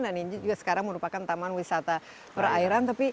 dan ini juga sekarang merupakan taman wisata perairan